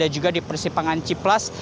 juga di persimpangan cipelas